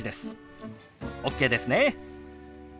ＯＫですね。